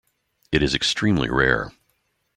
It is extremely rare.